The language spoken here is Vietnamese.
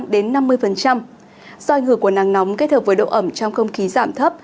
do ảnh hưởng của nắng nóng kết hợp với độ ẩm trong không khí giảm thấp